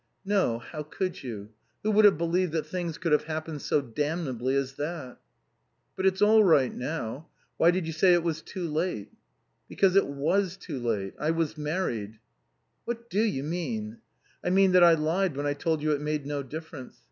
"No. How could you? Who would have believed that things could have happened so damnably as that?" "But it's all right now. Why did you say it was too late?" "Because it was too late. I was married." "What do you mean?" "I mean that I lied when I told you it made no difference.